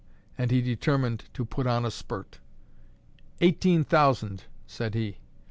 And he determined to put on a spurt. "Eighteen thousand," said he.